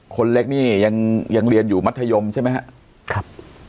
คนเล็กนี่ยังเรียนอยู่มัธยมใช่ไหมครับ